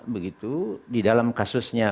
begitu di dalam kasusnya